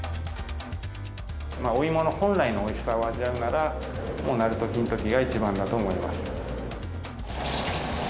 お芋の本来のおいしさを味わうなら、もうなると金時が一番だと思います。